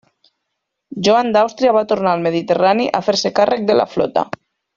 Joan d'Àustria va tornar al Mediterrani, a fer-se càrrec de la flota.